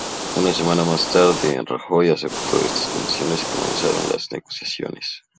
Una semana más tarde, Rajoy aceptó estas condiciones y comenzaron las negociaciones.